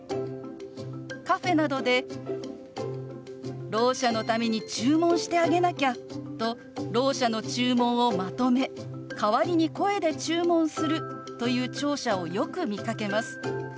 カフェなどでろう者のために注文してあげなきゃとろう者の注文をまとめ代わりに声で注文するという聴者をよく見かけます。